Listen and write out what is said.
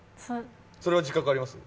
それは自覚あります？